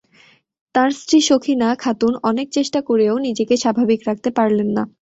তাঁর স্ত্রী সখিনা খাতুন অনেক চেষ্টা করেও নিজেকে স্বাভাবিক রাখতে পারলেন না।